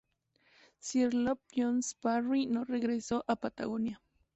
Sir Love Jones Parry no regresó a Patagonia.